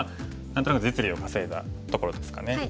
何となく実利を稼いだところですかね。